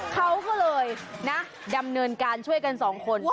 เขาก็เลยนะดำเนินการช่วยกันสองคน